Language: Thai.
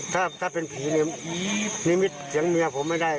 ถ้าเป็นผีนิมิตเสียงเมียผมไม่ได้